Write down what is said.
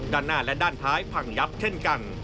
ด้านหน้าและด้านท้ายพังยับเช่นกัน